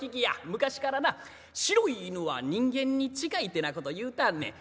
昔からな白い犬は人間に近いてなこと言うたあんねん。